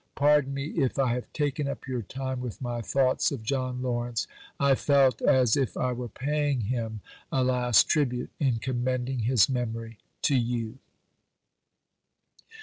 Pardon me if I have taken up your time with my thoughts of John Lawrence. I felt as if I were paying him a last tribute in commending his memory to you.